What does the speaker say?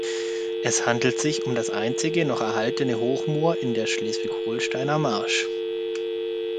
Es handelt sich um das einzige noch erhaltene Hochmoor in der Schleswig-Holsteiner Marsch.